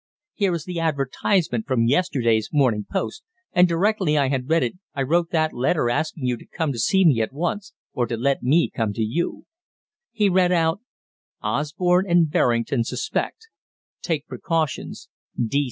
Here is the advertisement from yesterday's Morning Post, and directly I had read it I wrote that letter asking you to come to see me at once, or to let me come to you." He read out: "_Osborne and Berrington suspect. Take precautions.